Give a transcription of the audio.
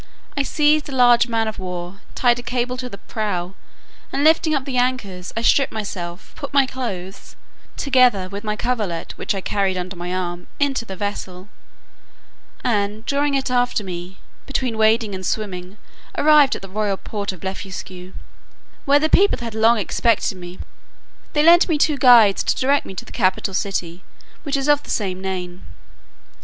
I seized a large man of war, tied a cable to the prow, and, lifting up the anchors, I stripped myself, put my clothes (together with my coverlet, which I carried under my arm) into the vessel, and, drawing it after me, between wading and swimming arrived at the royal port of Blefuscu, where the people had long expected me: they lent me two guides to direct me to the capital city, which is of the same name.